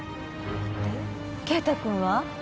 で啓太君は？